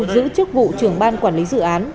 giữ chức vụ trưởng ban quản lý dự án